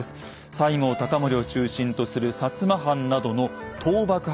西郷隆盛を中心とする摩藩などの倒幕派です。